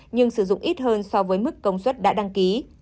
nhưng sử dụng ít hơn so với mức công suất đã đăng ký